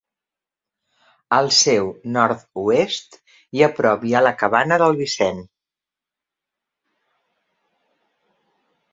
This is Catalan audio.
Al seu nord-oest i a prop hi ha la Cabana del Vicent.